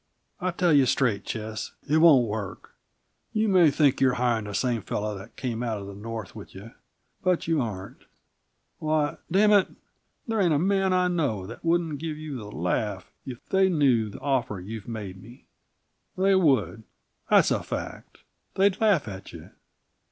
I tell you straight, Ches, it won't work. You may think you're hiring the same fellow that came out of the North with you but you aren't. Why, damn it, there ain't a man I know that wouldn't give you the laugh if they knew the offer you've made me! They would, that's a fact. They'd laugh at you.